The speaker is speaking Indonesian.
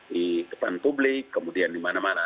di depan publik kemudian di mana mana